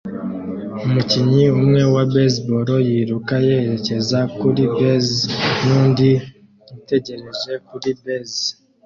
umukinnyi umwe wa baseball yiruka yerekeza kuri base nundi utegereje kuri base